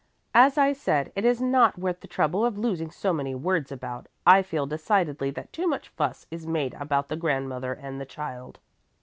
"As I said, it is not worth the trouble of losing so many words about. I feel decidedly that too much fuss is made about the grandmother and the child.